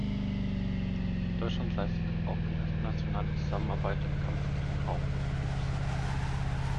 Deutschland leistet auch internationale Zusammenarbeit im Kampf gegen Rauchen und Krebs.